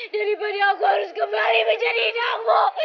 daripada aku harus kembali menjadi damu